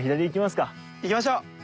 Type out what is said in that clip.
行きましょう！